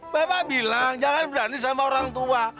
bapak bilang jangan berani sama orang tua